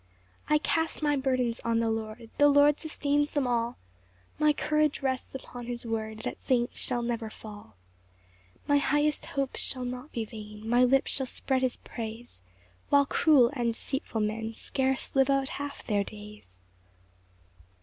9 I cast my burdens on the Lord, The Lord sustains them all; My courage rests upon his word That saints shall never fall. 10 My highest hopes shall not be vain, My lips shall spread his praise; While cruel and deceitful men Scarce live out half their days.